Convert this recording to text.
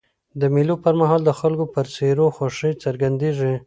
د مېلو پر مهال د خلکو پر څېرو خوښي څرګندېږي.